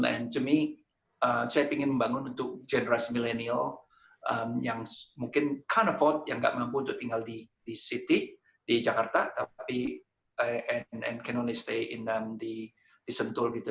and to me saya ingin membangun untuk jenerasi milenial yang mungkin can't afford yang nggak mampu untuk tinggal di city di jakarta tapi and can only stay in sentul gitu